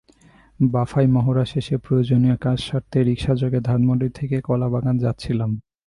বাফায় মহড়া শেষে প্রয়োজনীয় কাজ সারতে রিকশাযোগে ধানমন্ডি থেকে কলাবাগান যাচ্ছিলাম।